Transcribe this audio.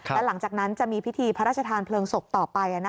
และหลังจากนั้นจะมีพิธีพระราชทานเพลิงศพต่อไป